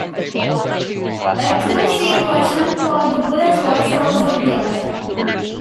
A two-seat version called the Bullet was also built.